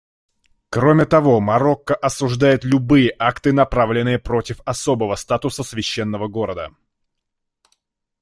Кроме того, Марокко осуждает любые акты, направленные против особого статуса Священного города.